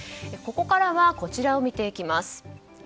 ここからはこちらを見ていきます。